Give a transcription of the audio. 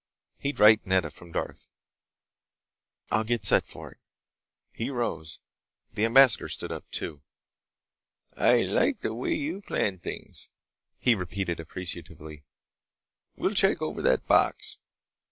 He'd write Nedda from Darth. "I'll get set for it." He rose. The ambassador stood up too. "I like the way you plan things," he repeated appreciatively. "We'll check over that box."